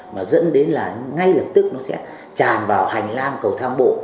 mà dẫn đến là ngay lập tức nó sẽ tràn vào hành lang cầu thang bộ